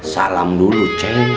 salam dulu ceng